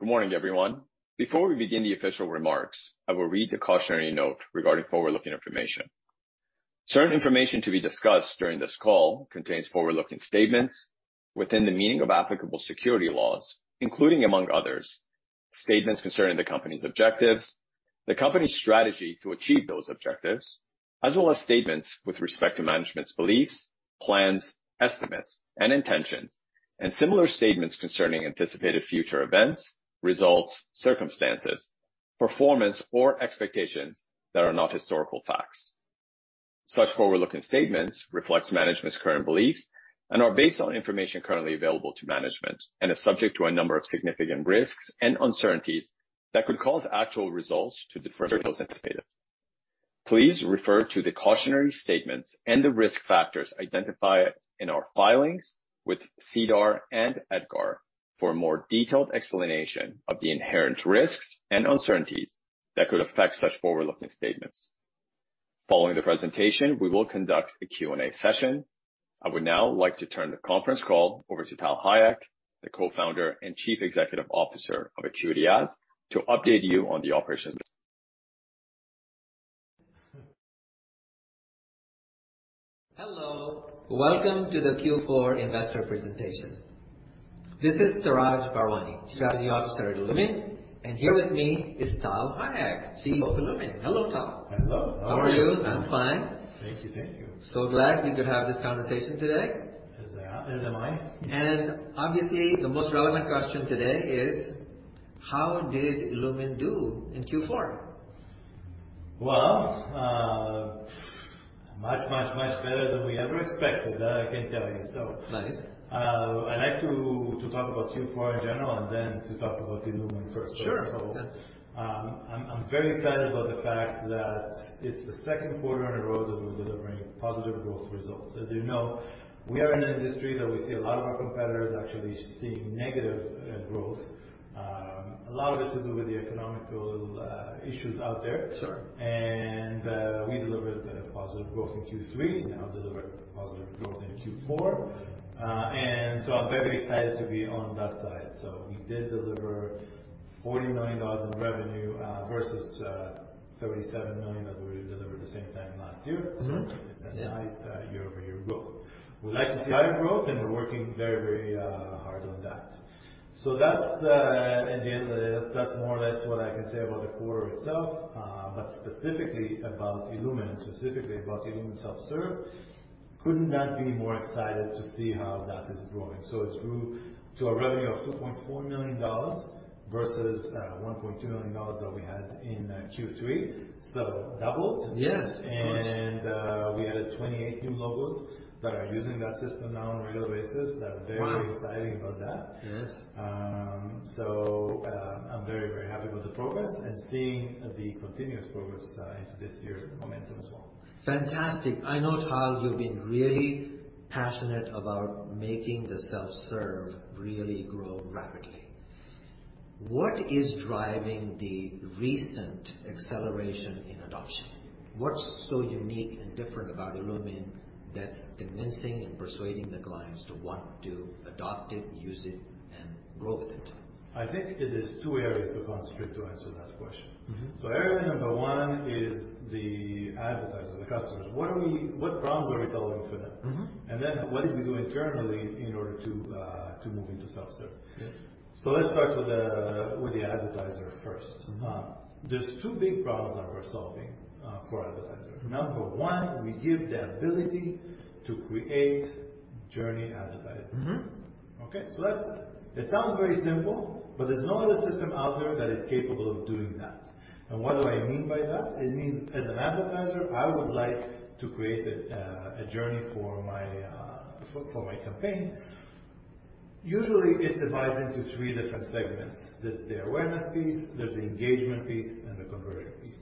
Good morning, everyone. Before we begin the official remarks, I will read the cautionary note regarding forward-looking information. Certain information to be discussed during this call contains forward-looking statements within the meaning of applicable security laws, including, among others, statements concerning the company's objectives, the company's strategy to achieve those objectives, as well as statements with respect to management's beliefs, plans, estimates and intentions, and similar statements concerning anticipated future events, results, circumstances, performance or expectations that are not historical facts. Such forward-looking statements reflects management's current beliefs and are based on information currently available to management and are subject to a number of significant risks and uncertainties that could cause actual results to differ from those anticipated. Please refer to the cautionary statements and the risk factors identified in our filings with SEDAR and EDGAR for more detailed explanation of the inherent risks and uncertainties that could affect such forward-looking statements. Following the presentation, we will conduct a Q&A session. I would now like to turn the conference call over to Tal Hayek, the Co-founder and Chief Executive Officer of AcuityAds, to update you on the operations. Hello. Welcome to the Q4 investor presentation. This is Seraj Bharwani, Chief Strategy Officer at illumin, and here with me is Tal Hayek, CEO of illumin. Hello, Tal. Hello. How are you? How are you? I'm fine. Thank you. Thank you. Glad we could have this conversation today. As am I. Obviously the most relevant question today is how did illumin do in Q4? Well, much, much, much better than we ever expected. That I can tell you. Nice. I'd like to talk about Q4 in general then to talk about illumin first. Sure. I'm very excited about the fact that it's the second quarter in a row that we're delivering positive growth results. As you know, we are in an industry that we see a lot of our competitors actually seeing negative growth. A lot of it to do with the economic issues out there. Sure. We delivered positive growth in Q3. Now delivered positive growth in Q4. I'm very excited to be on that side. We did deliver 40 million dollars in revenue, versus 37 million that we delivered the same time last year. Mm-hmm. It's a nice year-over-year growth. We'd like to see higher growth, and we're working very hard on that. That's again more or less what I can say about the quarter itself, but specifically about illumin and specifically about illumin self-serve. Could not be more excited to see how that is growing. It grew to a revenue of $2.4 million versus $1.2 million that we had in Q3, so doubled. Yes. We added 28 new logos that are using that system now on a regular basis. Wow. We're very excited about that. Yes. I'm very, very happy with the progress and seeing the continuous progress into this year's momentum as well. Fantastic. I know, Tal, you've been really passionate about making the self-serve really grow rapidly. What is driving the recent acceleration in adoption? What's so unique and different about illumin that's convincing and persuading the clients to want to adopt it, use it and grow with it? I think it is two areas to concentrate to answer that question. Mm-hmm. area number one is the advertiser, the customers. What problems are we solving for them? Mm-hmm. What did we do internally in order to move into self-serve? Yeah. Let's start with the advertiser first. Mm-hmm. There's two big problems that we're solving for advertisers. Mm-hmm. Number one, we give the ability to create journey advertising. Mm-hmm. Okay. It sounds very simple, but there's no other system out there that is capable of doing that. What do I mean by that? It means, as an advertiser, I would like to create a journey for my campaign. Usually it divides into three different segments. There's the awareness piece, there's the engagement piece, and the conversion piece.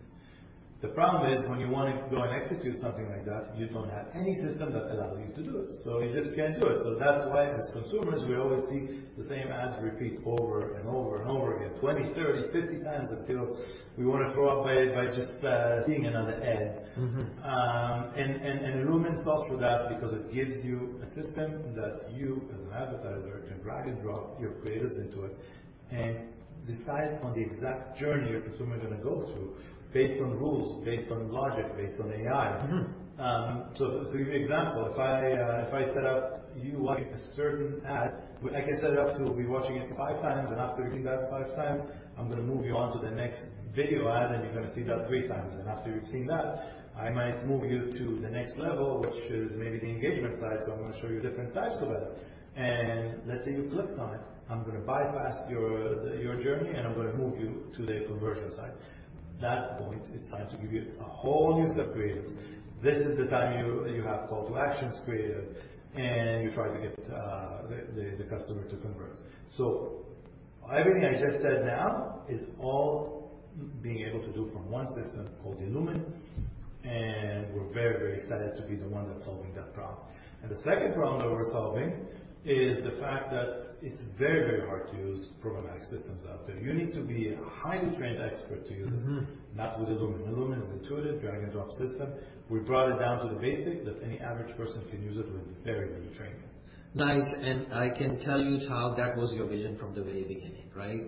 The problem is when you want to go and execute something like that, you don't have any system that allows you to do it. You just can't do it. That's why as consumers we always see the same ads repeat over and over and over again. 20x, 30x, 50x until we want to throw up by just seeing another ad. Mm-hmm. illumin solves for that because it gives you a system that you as an advertiser can drag and drop your creatives into it and decide on the exact journey your consumer is gonna go through based on rules, based on logic, based on AI. Mm-hmm. To give you example, if I, if I set up you like a certain ad, I can set it up to be watching it five times and after seeing that five times, I'm gonna move you on to the next video ad and you're gonna see that 3x After you've seen that, I might move you to the next level, which is maybe the engagement side. I'm gonna show you different types of ad, and let's say you clicked on it. I'm gonna bypass your journey, and I'm gonna move you to the conversion side. At that point it's time to give you a whole new set of creatives. This is the time you have call to actions created and you try to get the customer to convert. Everything I just said now is all being able to do from one system called illumin, and we're very, very excited to be the one that's solving that problem. The second problem that we're solving is the fact that it's very, very hard to use programmatic systems out there. You need to be a highly trained expert to use it. Mm-hmm. Not with illumin. illumin is intuitive drag and drop system. We brought it down to the basic that any average person can use it with-Very retraining. Nice. I can tell you, Tal, that was your vision from the very beginning, right?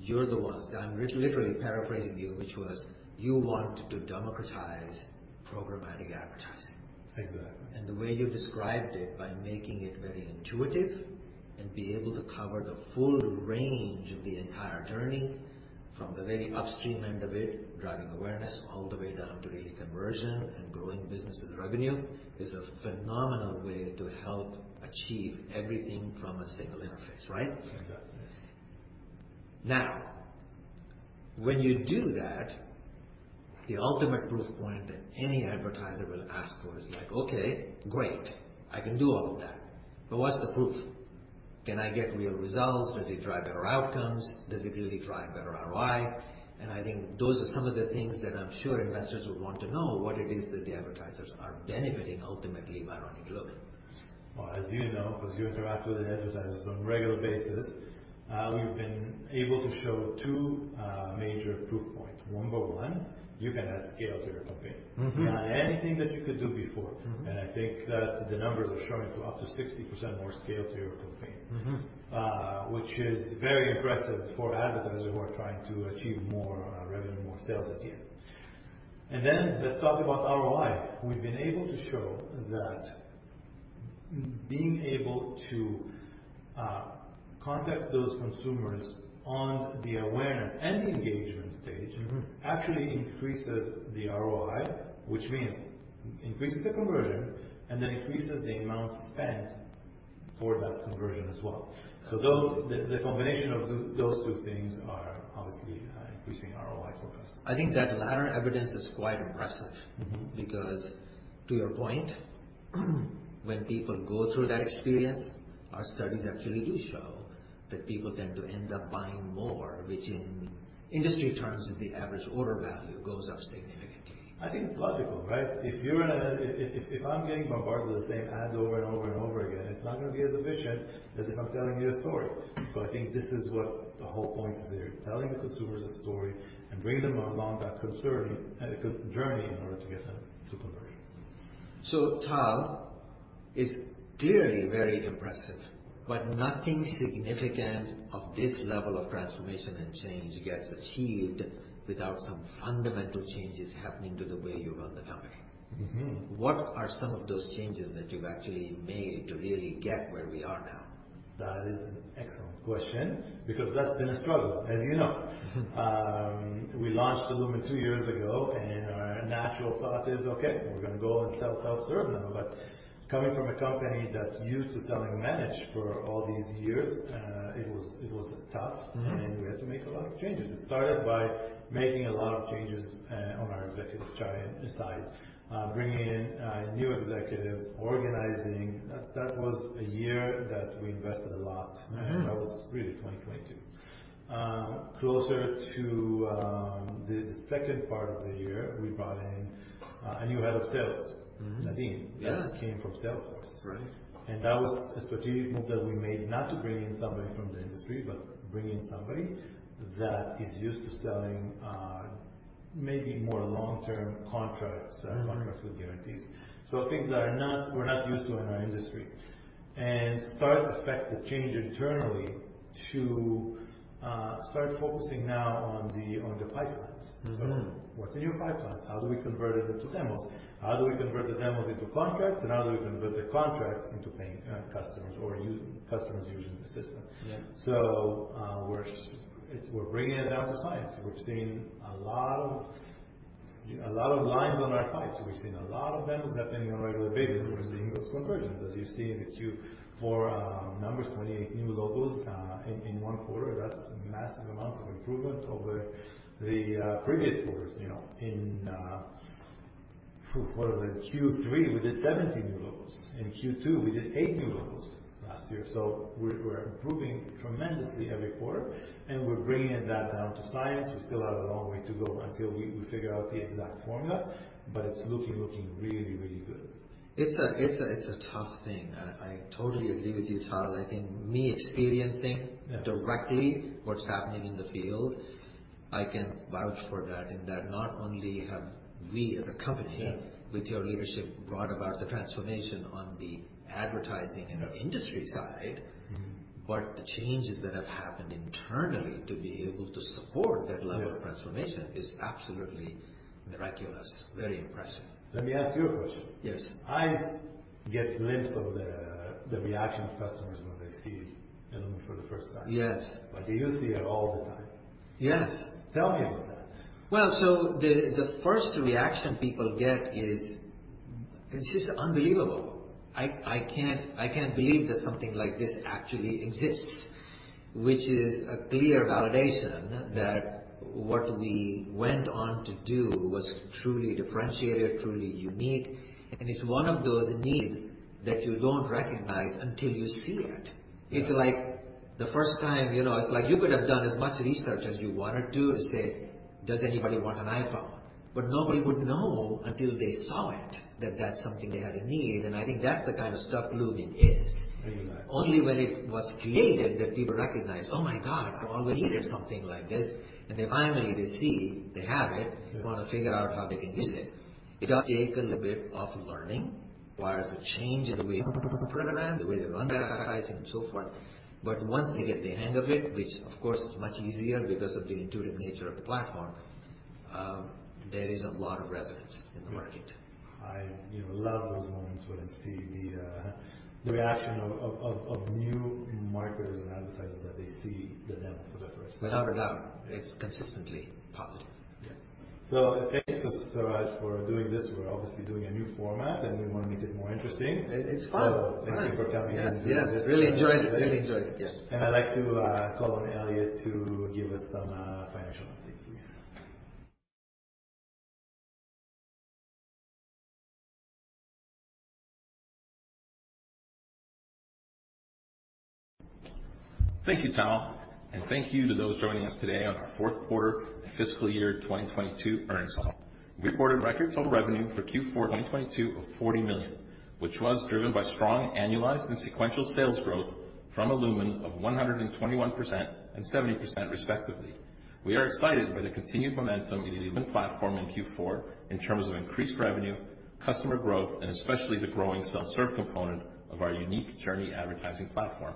You're the one. I'm literally paraphrasing you, which was you want to democratize programmatic advertising. Exactly. The way you described it by making it very intuitive and be able to cover the full range of the entire journey from the very upstream end of it, driving awareness all the way down to really conversion and growing businesses revenue is a phenomenal way to help achieve everything from a single interface, right? Exactly. Yes. Now, when you do that, the ultimate proof point that any advertiser will ask for is like, "Okay, great, I can do all of that, but what's the proof? Can I get real results? Does it drive better outcomes? Does it really drive better ROI?" I think those are some of the things that I'm sure investors would want to know what it is that the advertisers are benefiting ultimately by running illumin. Well, as you know, 'cause you interact with the advertisers on a regular basis, we've been able to show two major proof points. Number one, you can add scale to your campaign. Mm-hmm. Not anything that you could do before. Mm-hmm. I think that the numbers are showing to up to 60% more scale to your campaign. Mm-hmm. which is very impressive for advertisers who are trying to achieve more, revenue, more sales at the end. Let's talk about ROI. We've been able to show that being able to, contact those consumers on the awareness and the engagement stage. Mm-hmm. actually increases the ROI, which means increases the conversion and then increases the amount spent for that conversion as well. The combination of those two things are obviously increasing ROI for customers. I think that latter evidence is quite impressive. Mm-hmm. To your point, when people go through that experience, our studies actually do show that people tend to end up buying more, which in industry terms is the average order value goes up significantly. I think it's logical, right? If you're an ad. If I'm getting bombarded with the same ads over and over and over again, it's not gonna be as efficient as if I'm telling you a story. I think this is what the whole point is there, telling the consumers a story and bring them along that co-journey, co-journey in order to get them to conversion. Tal, it's clearly very impressive, but nothing significant of this level of transformation and change gets achieved without some fundamental changes happening to the way you run the company. Mm-hmm. What are some of those changes that you've actually made to really get where we are now? That is an excellent question because that's been a struggle, as you know. We launched illumin two years ago, our natural thought is, "Okay, we're gonna go and sell self-serve now." Coming from a company that's used to selling managed for all these years, it was tough. Mm-hmm. We had to make a lot of changes. It started by making a lot of changes, on our executive side. Bringing in, new executives, organizing. That was a year that we invested a lot. Mm-hmm. That was really 2022. Closer to the second part of the year, we brought in a new Head of Sales. Mm-hmm. Nadeem. Yes. Came from Salesforce. Right. That was a strategic move that we made, not to bring in somebody from the industry, but bring in somebody that is used to selling, maybe more long-term contracts. Mm-hmm. -or contracts with guarantees. things that are not, we're not used to in our industry. start effect the change internally to start focusing now on the pipelines. Mm-hmm. What's in your pipelines? How do we convert it into demos? How do we convert the demos into contracts? How do we convert the contracts into paying customers or customers using the system? Yeah. We're bringing it down to science. We're seeing a lot of, a lot of lines on our pipes. We've seen a lot of demos happening on a regular basis. We're seeing those conversions, as you see in the Q4 numbers, 28 new logos in one quarter. That's massive amount of improvement over the previous quarters, you know. In what was it? Q3, we did 17 new logos. In Q2, we did eight new logos last year. We're, we're improving tremendously every quarter, and we're bringing that down to science. We still have a long way to go until we figure out the exact formula, but it's looking really, really good. It's a tough thing. I totally agree with you, Tal. I think me experiencing. Yeah. -directly what's happening in the field, I can vouch for that, in that not only have we as a company- Yeah. -with your leadership, brought about the transformation on the advertising and industry side. Mm-hmm. The changes that have happened internally to be able to support that level. Yes. -of transformation is absolutely miraculous. Very impressive. Let me ask you a question. Yes. I get glimpse of the reaction of customers when they see illumin for the first time. Yes. Do you see it all the time? Yes. Tell me about that. Well, the first reaction people get is, "It's just unbelievable. I can't believe that something like this actually exists." Which is a clear validation that what we went on to do was truly differentiated, truly unique, and it's one of those needs that you don't recognize until you see it. Yeah. It's like the first time, you know, it's like you could have done as much research as you wanted to and say, "Does anybody want an iPhone?" Nobody would know until they saw it, that that's something they had a need. I think that's the kind of stuff illumin is. Only when it was created that people recognize, "Oh my God, I always needed something like this." They finally, they see they have it, they wanna figure out how they can use it. It does take a little bit of learning, requires a change in the way they program, the way they run their advertising, and so forth. Once they get the hang of it, which of course is much easier because of the intuitive nature of the platform, there is a lot of resonance in the market. I, you know, love those moments when I see the reaction of new marketers and advertisers when they see the demo for the first time. Without a doubt, it's consistently positive. Yes. Thank you, Seraj, for doing this. We're obviously doing a new format, and we wanna make it more interesting. It's fun. Thank you for coming in. Yes, yes. Really enjoyed it. Really enjoyed it. Yes. I'd like to call on Elliot to give us some financial updates, please. Thank you, Tal, and thank you to those joining us today on our fourth quarter and fiscal year 2022 earnings call. We reported record total revenue for Q4 2022 of CAD 40 million, which was driven by strong annualized and sequential sales growth from illumin of 121% and 70% respectively. We are excited by the continued momentum in the illumin platform in Q4 in terms of increased revenue, customer growth, and especially the growing self-serve component of our unique journey advertising platform.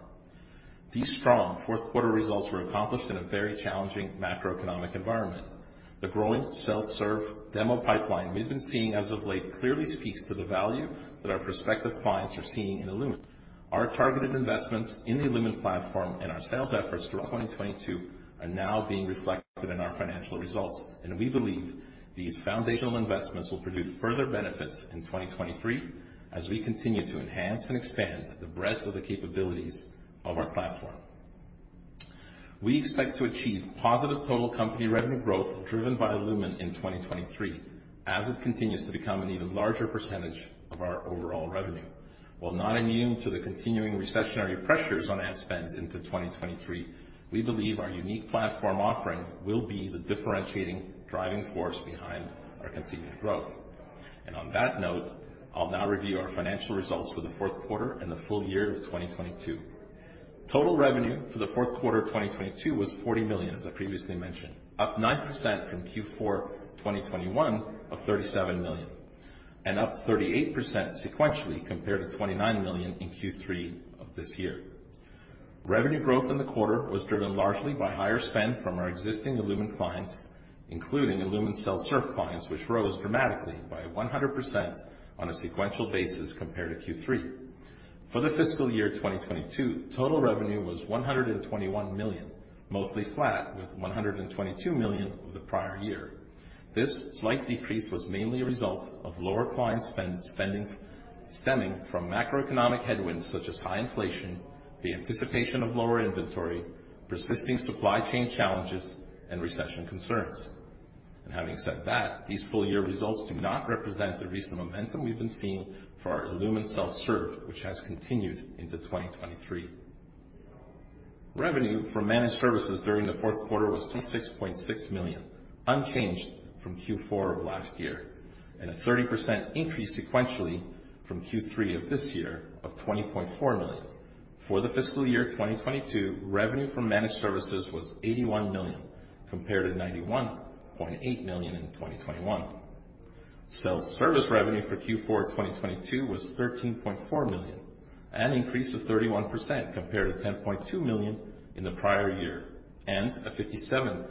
These strong fourth quarter results were accomplished in a very challenging macroeconomic environment. The growing self-serve demo pipeline we've been seeing as of late clearly speaks to the value that our prospective clients are seeing in illumin. Our targeted investments in the illumin platform and our sales efforts through 2022 are now being reflected in our financial results, and we believe these foundational investments will produce further benefits in 2023, as we continue to enhance and expand the breadth of the capabilities of our platform. We expect to achieve positive total company revenue growth driven by illumin in 2023, as it continues to become an even larger percentage of our overall revenue. While not immune to the continuing recessionary pressures on ad spend into 2023, we believe our unique platform offering will be the differentiating driving force behind our continued growth. On that note, I'll now review our financial results for the fourth quarter and the full year of 2022. Total revenue for the fourth quarter of 2022 was 40 million, as I previously mentioned, up 9% from Q4 2021 of 37 million and up 38% sequentially compared to 29 million in Q3 of this year. Revenue growth in the quarter was driven largely by higher spend from our existing illumin clients, including illumin self-serve clients, which rose dramatically by 100% on a sequential basis compared to Q3. For the fiscal year 2022, total revenue was 121 million, mostly flat, with 122 million the prior year. This slight decrease was mainly a result of lower client spend, stemming from macroeconomic headwinds such as high inflation, the anticipation of lower inventory, persisting supply chain challenges, and recession concerns. Having said that, these full-year results do not represent the recent momentum we've been seeing for our illumin self-serve, which has continued into 2023. Revenue from managed services during the fourth quarter was 26.6 million, unchanged from Q4 of last year, and a 30% increase sequentially from Q3 of this year of 20.4 million. For the fiscal year 2022, revenue from managed services was 81 million, compared to 91.8 million in 2021. Self-service revenue for Q4 2022 was CAD 13.4 million, an increase of 31% compared to CAD 10.2 million in the prior year, and a 57%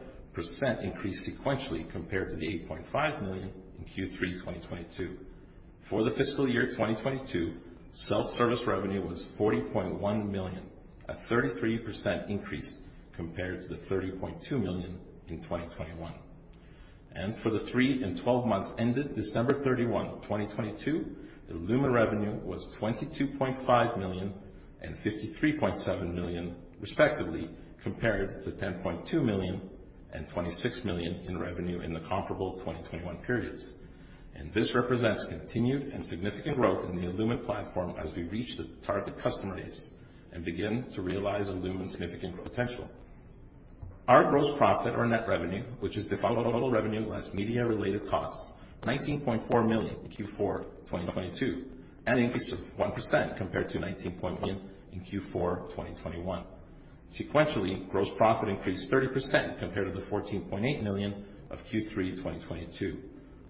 increase sequentially compared to the 8.5 million in Q3 2022. For the fiscal year 2022, self-serve revenue was 40.1 million, a 33% increase compared to 30.2 million in 2021. For the three and 12 months ended December 31, 2022, illumin revenue was 22.5 million and 53.7 million respectively, compared to 10.2 million and 26 million in revenue in the comparable 2021 periods. This represents continued and significant growth in the illumin platform as we reach the target customer base and begin to realize illumin's significant growth potential. Our gross profit or net revenue, which is definable revenue less media-related costs, 19.4 million in Q4 2022, an increase of 1% compared to 19.0 million in Q4 2021. Sequentially, gross profit increased 30% compared to 14.8 million of Q3 2022.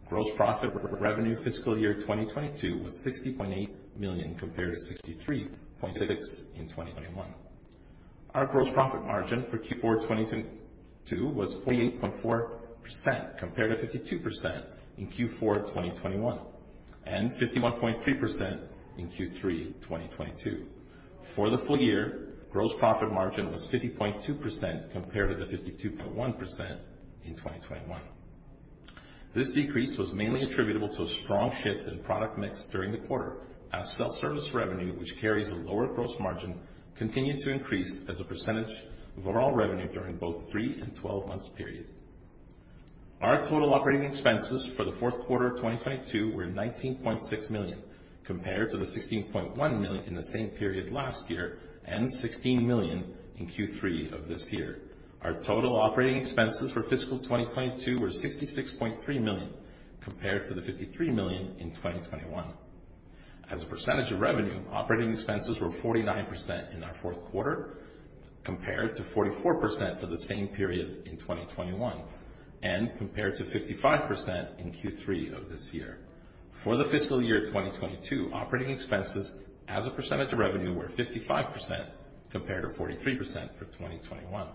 Gross profit revenue fiscal year 2022 was 60.8 million, compared to 63.6 million in 2021. Our gross profit margin for Q4 2022 was 48.4% compared to 52% in Q4 2021, and 51.3% in Q3 2022. For the full year, gross profit margin was 50.2% compared to the 52.1% in 2021. This decrease was mainly attributable to a strong shift in product mix during the quarter as self-service revenue, which carries a lower gross margin, continued to increase as a percentage of overall revenue during both three and 12 months period. Our total operating expenses for the fourth quarter of 2022 were 19.6 million, compared to 16.1 million in the same period last year and 16 million in Q3 of this year. Our total operating expenses for fiscal 2022 were 66.3 million, compared to 53 million in 2021. As a percentage of revenue, operating expenses were 49% in our fourth quarter compared to 44% for the same period in 2021, and compared to 55% in Q3 of this year. For the fiscal year 2022, operating expenses as a percentage of revenue were 55% compared to 43% for 2021.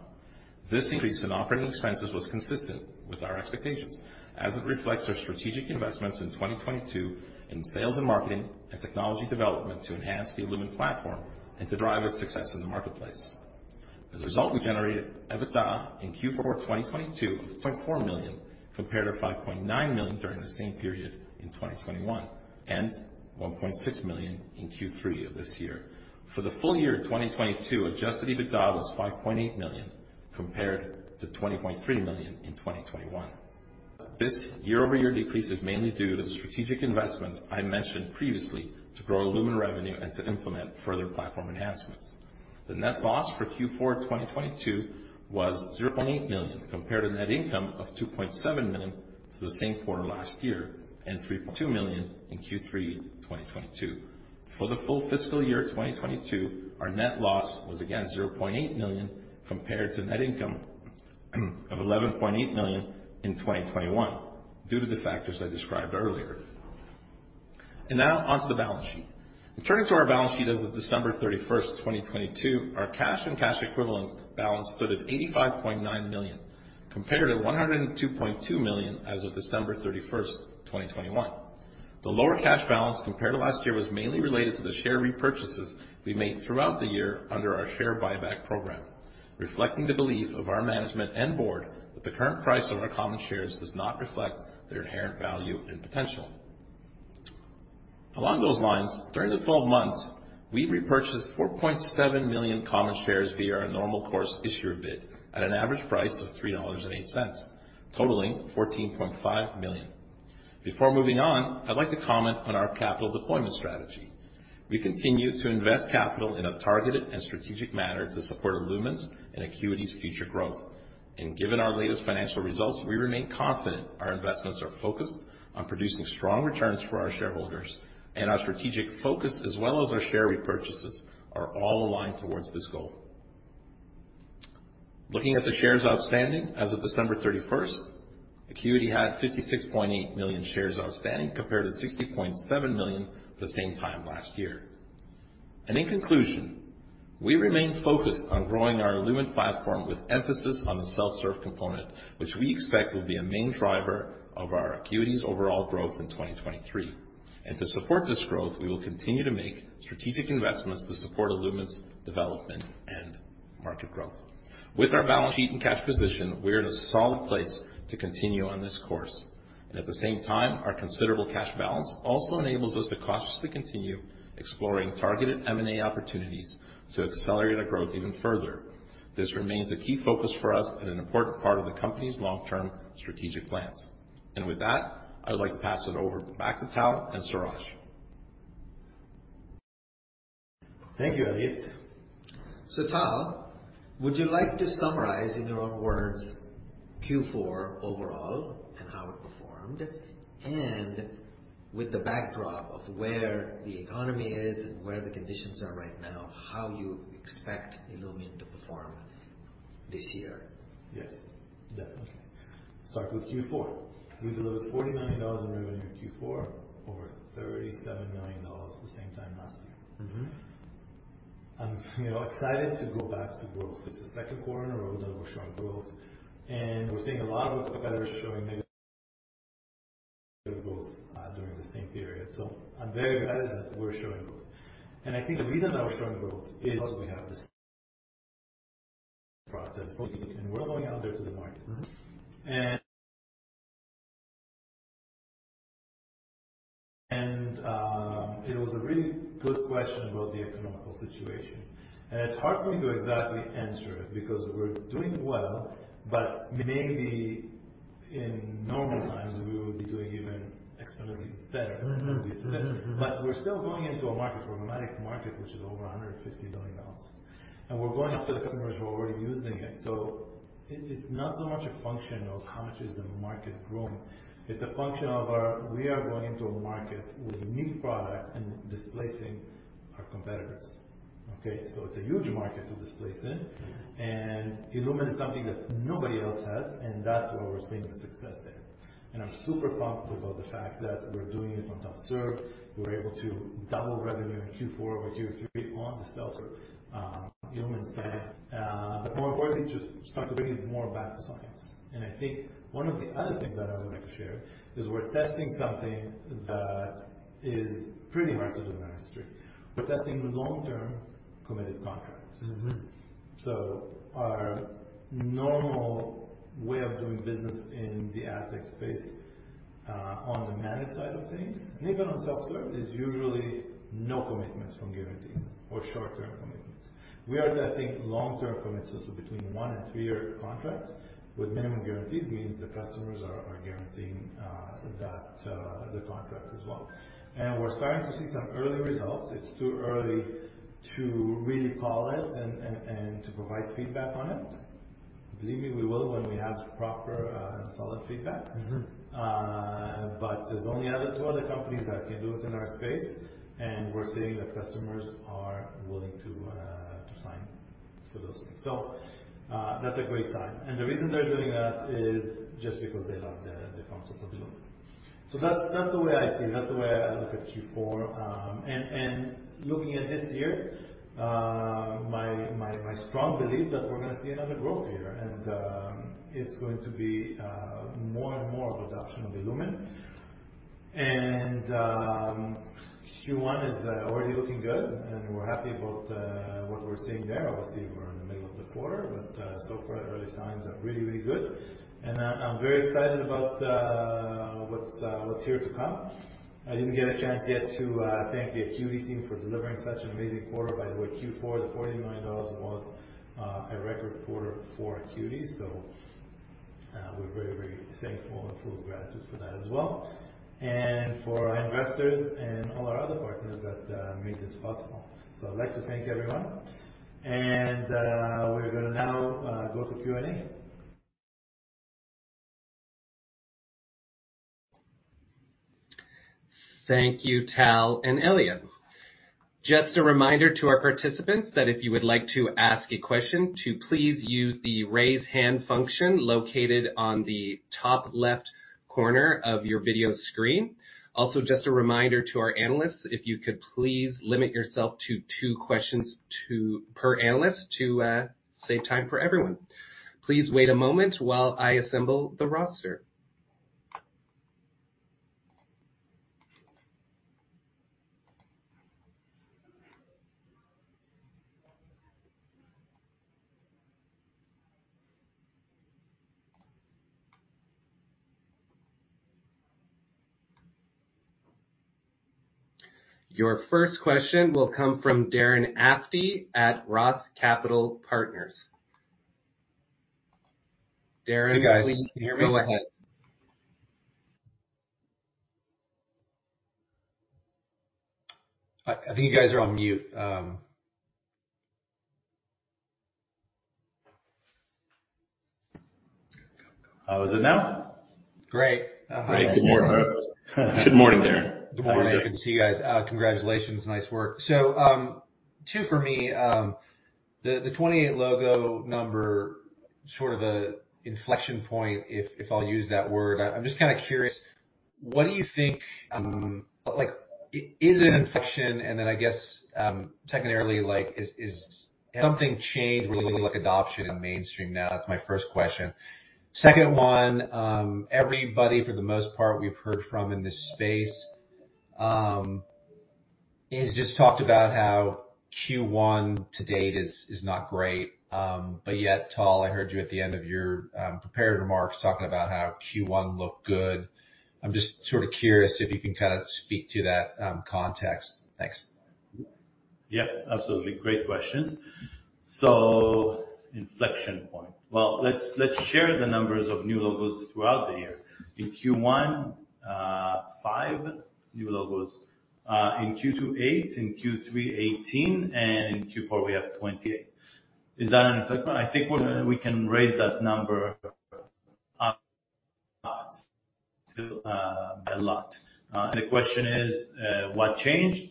This increase in operating expenses was consistent with our expectations as it reflects our strategic investments in 2022 in sales and marketing and technology development to enhance the illumin platform and to drive its success in the marketplace. As a result, we generated EBITDA in Q4 2022 of $0.4 million, compared to $5.9 million during the same period in 2021, and $1.6 million in Q3 of this year. For the full year of 2022, adjusted EBITDA was $5.8 million, compared to $20.3 million in 2021. This year-over-year decrease is mainly due to the strategic investment I mentioned previously to grow illumin revenue and to implement further platform enhancements. The net loss for Q4 2022 was 0.8 million, compared to net income of 2.7 million to the same quarter last year, and 3.2 million in Q3 2022. For the full fiscal year 2022, our net loss was again 0.8 million compared to net income of 11.8 million in 2021 due to the factors I described earlier. Now onto the balance sheet. Turning to our balance sheet as of December 31, 2022, our cash and cash equivalent balance stood at 85.9 million, compared to 102.2 million as of December 31, 2021. The lower cash balance compared to last year was mainly related to the share repurchases we made throughout the year under our share buyback program, reflecting the belief of our management and board that the current price of our common shares does not reflect their inherent value and potential. Along those lines, during the 12 months, we repurchased 4.7 million common shares via our normal course issuer bid at an average price of 3.08 dollars, totaling 14.5 million. Before moving on, I'd like to comment on our capital deployment strategy. We continue to invest capital in a targeted and strategic manner to support illumin's and Acuity's future growth. Given our latest financial results, we remain confident our investments are focused on producing strong returns for our shareholders. Our strategic focus as well as our share repurchases are all aligned towards this goal. Looking at the shares outstanding as of December 31st, AcuityAds had 56.8 million shares outstanding compared to 60.7 million the same time last year. In conclusion, we remain focused on growing our illumin platform with emphasis on the self-serve component, which we expect will be a main driver of our AcuityAds' overall growth in 2023. To support this growth, we will continue to make strategic investments to support illumin's development and market growth. With our balance sheet and cash position, we are in a solid place to continue on this course. At the same time, our considerable cash balance also enables us to cautiously continue exploring targeted M&A opportunities to accelerate our growth even further. This remains a key focus for us and an important part of the company's long-term strategic plans. With that, I would like to pass it over back to Tal and Seraj. Thank you, Elliot. Tal, would you like to summarize in your own words Q4 overall and how it performed, and with the backdrop of where the economy is and where the conditions are right now, how you expect illumin to perform this year? Yes, definitely. Start with Q4. We delivered 40 million dollars in revenue in Q4 over 37 million dollars the same time last year. Mm-hmm. I'm, you know, excited to go back to growth. It's been a quarter where we're showing growth and we're seeing a lot of competitors showing negative growth, during the same period. I'm very glad that we're showing growth. I think the reason that we're showing growth is because we have this product that's working, and we're going out there to the market. Mm-hmm. It was a really good question about the economical situation. It's hard for me to exactly answer it because we're doing well, but maybe in normal times, we would be doing even exponentially better than we do today. Mm-hmm. We're still going into a market, a dramatic market, which is over $150 billion. We're going after the customers who are already using it. It's not so much a function of how much is the market growing, it's a function of we are going into a market with a new product and displacing our competitors. Okay? It's a huge market to displace in, and illumin is something that nobody else has, and that's why we're seeing the success there. I'm super pumped about the fact that we're doing it on self-serve. We were able to double revenue in Q4 over Q3 on the self-serve, illumin side. More importantly, just start to bring more value to science. I think one of the other things that I would like to share is we're testing something that is pretty unprecedented in our history. We're testing long-term committed contracts. Mm-hmm. Our normal way of doing business in the always-on, on-demand side of things, and even on self-serve, is usually no commitments from guarantees or short-term commitments. We are testing long-term commitments of between one and three-year contracts with minimum guarantees, means the customers are guaranteeing that the contracts as well. We're starting to see some early results. It's too early to really call it and to provide feedback on it. Believe me, we will when we have proper, solid feedback. Mm-hmm. There's only other two other companies that can do it in our space, and we're seeing that customers are willing to sign for those things. That's a great sign. The reason they're doing that is just because they love the concept of illumin. That's the way I see it. That's the way I look at Q4. Looking at this year, my strong belief that we're going to see another growth year. It's going to be more and more of adoption of illumin. Q1 is already looking good, and we're happy about what we're seeing there. Obviously, we're in the middle of the quarter, but so far, the early signs are really, really good. I'm very excited about what's here to come. I didn't get a chance yet to thank the Acuity team for delivering such an amazing quarter. By the way, Q4, the 49 dollars was a record quarter for Acuity. We're very, very thankful and full of gratitude for that as well. For our investors and all our other partners that made this possible. I'd like to thank everyone. We're gonna now go to Q&A. Thank you, Tal and Elliot. Just a reminder to our participants that if you would like to ask a question to please use the raise hand function located on the top left corner of your video screen. Also, just a reminder to our analysts, if you could please limit yourself to two questions per analyst to save time for everyone. Please wait a moment while I assemble the roster. Your first question will come from Darren Aftahi at ROTH Capital Partners. Hey, guys. Please go ahead. Can you hear me? Go ahead. I think you guys are on mute. How is it now? Great. Hi. Good morning. Good morning, Darren. Good morning. I can see you guys. Congratulations. Nice work. two for me. The 28 logo number, sort of the inflection point, if I'll use that word. I'm just kind of curious, what do you think, is it an inflection? I guess, secondarily, like, is something changed when you look at adoption in the mainstream now? That's my first question. Second one, everybody, for the most part we've heard from in this space, has just talked about how Q1 to-date is not great. Tal, I heard you at the end of your prepared remarks talking about how Q1 looked good. I'm just sort of curious if you can kind of speak to that context. Thanks. Yes, absolutely. Great questions. Inflection point. Well, let's share the numbers of new logos throughout the year. In Q1, five new logos. In Q2, 8, in Q3, 18, and in Q4, we have 28. Is that an inflection? I think we can raise that number a lot to a lot. And the question is, what changed?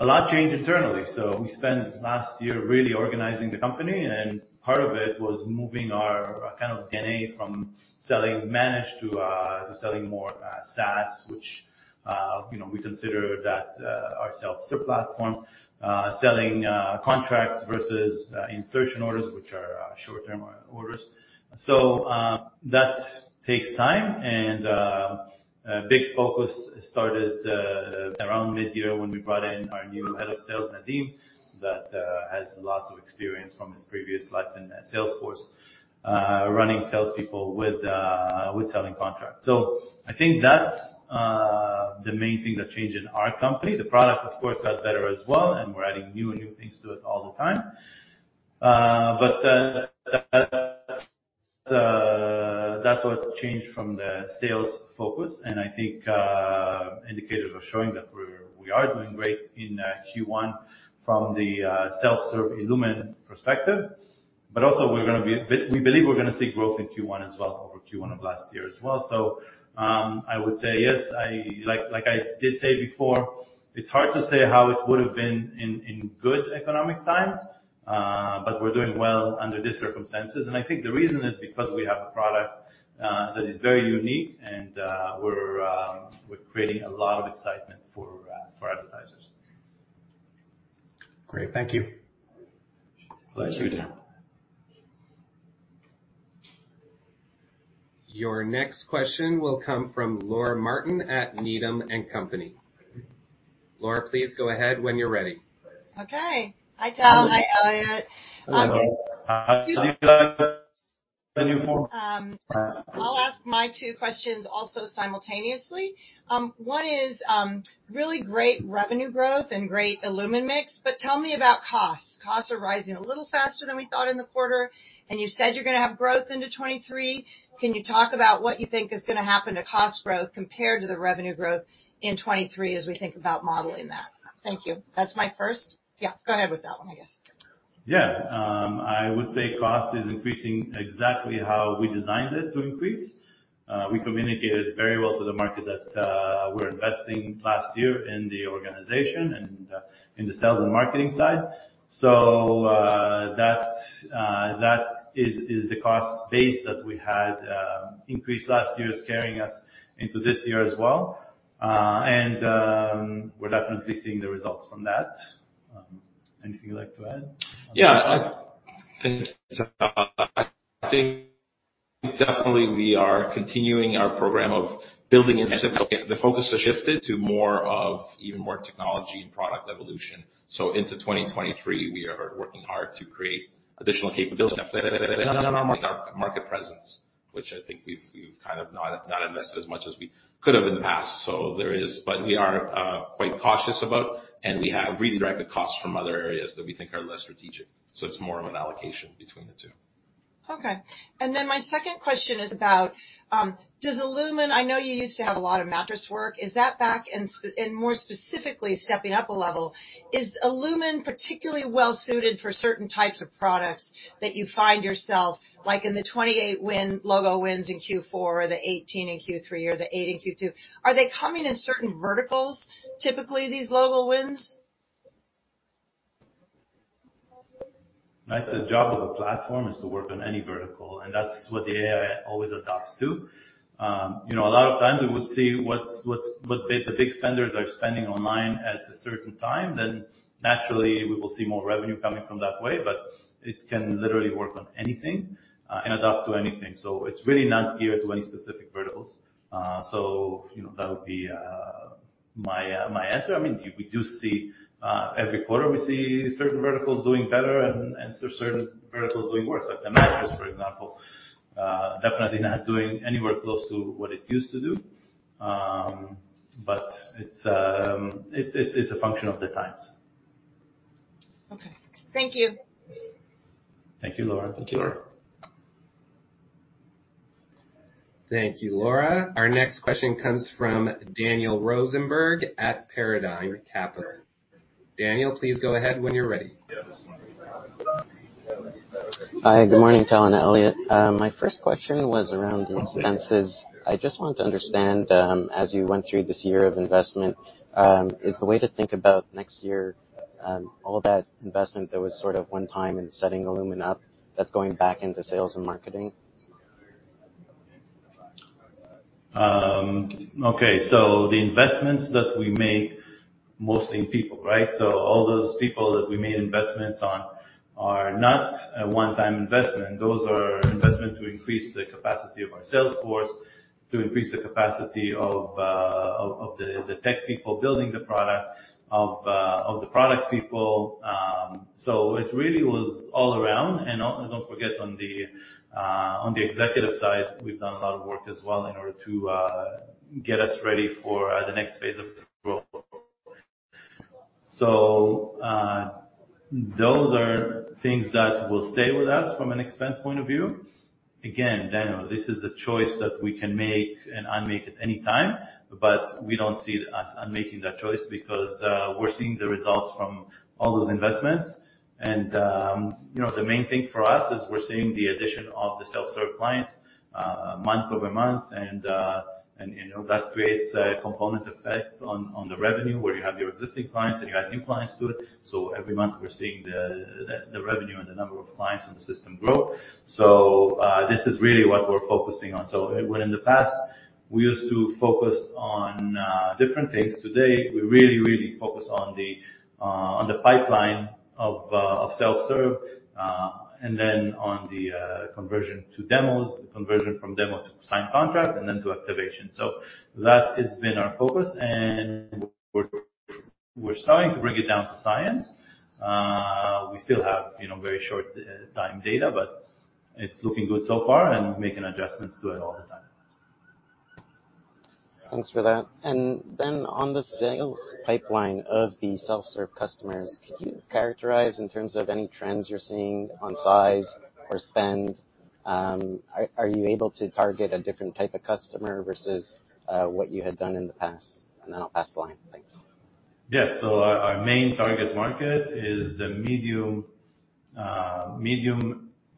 A lot changed internally. We spent last year really organizing the company, and part of it was moving our kind of D&A from selling managed to selling more SaaS, which, you know, we consider that our self-serve platform. Selling contracts versus insertion orders, which are short-term orders. That takes time. A big focus started around mid-year when we brought in our new Head of Sales, Nadeem, that has lots of experience from his previous life in Salesforce running salespeople with selling contracts. I think that's the main thing that changed in our company. The product, of course, got better as well, and we're adding new and new things to it all the time. That's what changed from the sales focus. I think indicators are showing that we are doing great in Q1 from the self-serve illumin perspective. Also, we believe we're gonna see growth in Q1 as well over Q1 of last year as well. I would say yes. Like I did say before, it's hard to say how it would have been in good economic times, but we're doing well under these circumstances. I think the reason is because we have a product that is very unique and we're creating a lot of excitement for advertisers. Great. Thank you. Pleasure. Your next question will come from Laura Martin at Needham & Company. Laura, please go ahead when you're ready. Okay. Hi, Tal. Hi, Elliot. Hello. I'll ask my two questions also simultaneously. One is, really great revenue growth and great illumin mix. Tell me about costs. Costs are rising a little faster than we thought in the quarter, and you said you're gonna have growth into 2023. Can you talk about what you think is gonna happen to cost growth compared to the revenue growth in 2023 as we think about modeling that? Thank you. That's my first. Yeah, go ahead with that one, I guess. Yeah. I would say cost is increasing exactly how we designed it to increase. We communicated very well to the market that we're investing last year in the organization and in the sales and marketing side. That is the cost base that we had increased last year is carrying us into this year as well. We're definitely seeing the results from that. Anything you'd like to add? Yeah. I think, definitely we are continuing our program of building the focus has shifted to more of even more technology and product evolution. Into 2023, we are working hard to create additional capabilities market presence, which I think we've kind of not invested as much as we could have in the past. There is. We are quite cautious about, and we have redirected costs from other areas that we think are less strategic. It's more of an allocation between the two. My second question is about, I know you used to have a lot of mattress work. Is that back? More specifically, stepping up a level, is illumin particularly well-suited for certain types of products that you find yourself, like in the 28 logo wins in Q4 or the 18 in Q3 or the 8 in Q2? Are they coming in certain verticals, typically, these logo wins? Right. The job of a platform is to work on any vertical, and that's what the AI always adapts to. you know, a lot of times we would see what the big spenders are spending online at a certain time, then naturally we will see more revenue coming from that way. It can literally work on anything and adapt to anything. It's really not geared to any specific verticals. you know, that would be my answer. I mean, we do see every quarter we see certain verticals doing better and certain verticals doing worse. Like the mattress, for example, definitely not doing anywhere close to what it used to do. but it's a function of the times. Okay. Thank you. Thank you, Laura. Thank you, Laura. Thank you, Laura. Our next question comes from Daniel Rosenberg at Paradigm Capital. Daniel, please go ahead when you're ready. Hi, good morning, Tal and Elliot. My first question was around the expenses. I just want to understand, as you went through this year of investment, is the way to think about next year, all of that investment that was sort of one time in setting illumin up, that's going back into sales and marketing? Okay. The investments that we make, mostly in people, right? All those people that we made investments on are not a one-time investment. Those are investment to increase the capacity of our sales force, to increase the capacity of, the tech people building the product, of the product people. It really was all around. Don't forget on the, on the executive side, we've done a lot of work as well in order to get us ready for the next phase of growth. Those are things that will stay with us from an expense point of view. Again, Daniel, this is a choice that we can make and unmake at any time, but we don't see us unmaking that choice because we're seeing the results from all those investments. You know, the main thing for us is we're seeing the addition of the self-serve clients month-over-month. You know, that creates a component effect on the revenue where you have your existing clients and you add new clients to it. Every month we're seeing the revenue and the number of clients in the system grow. This is really what we're focusing on. Where in the past we used to focus on different things, today we really focus on the pipeline of self-serve and then on the conversion to demos, the conversion from demo to signed contract, and then to activation. That has been our focus, and we're starting to break it down to science. We still have, you know, very short time data, but it's looking good so far and making adjustments to it all the time. Thanks for that. On the sales pipeline of the self-serve customers, could you characterize in terms of any trends you're seeing on size or spend? Are you able to target a different type of customer versus what you had done in the past? I'll pass the line. Thanks. Yes. Our main target market is the medium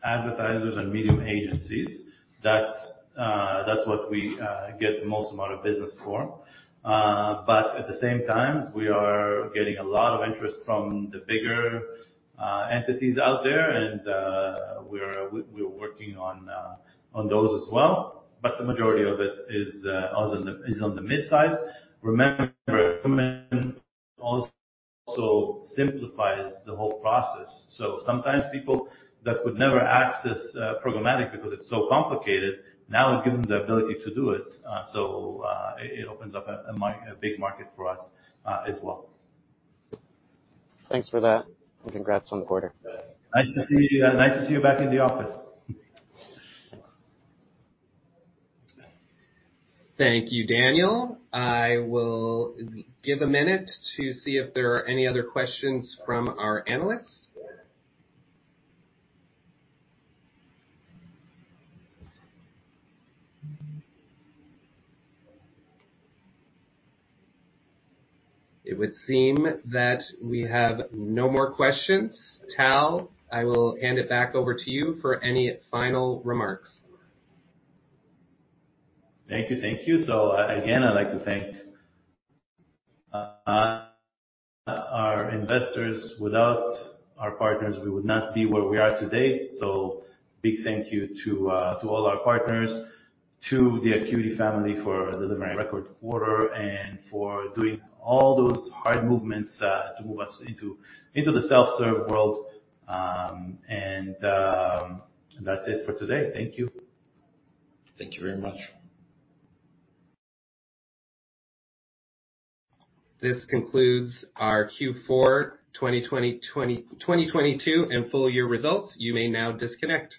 advertisers and medium agencies. That's what we get the most amount of business for. At the same time, we are getting a lot of interest from the bigger entities out there and we're working on those as well. The majority of it is on the midsize. Remember also simplifies the whole process. Sometimes people that would never access programmatic because it's so complicated, now it gives them the ability to do it. It opens up a big market for us as well. Thanks for that. Congrats on the quarter. Nice to see you. Nice to see you back in the office. Thank you, Daniel. I will give a minute to see if there are any other questions from our analysts. It would seem that we have no more questions. Tal, I will hand it back over to you for any final remarks. Thank you. Thank you. Again, I'd like to thank our investors. Without our partners, we would not be where we are today. Big thank you to all our partners, to the Acuity family for delivering a record quarter and for doing all those hard movements to move us into the self-serve world. That's it for today. Thank you. Thank you very much. This concludes our Q4 2022 and full year results. You may now disconnect.